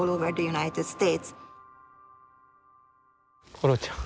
コロちゃん。